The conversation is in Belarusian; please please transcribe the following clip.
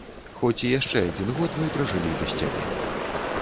Хоць і яшчэ адзін год мы пражылі без цябе.